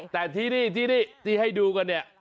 แต่ที่นี่ที่นี่ที่ให้ดูกันเนี่ย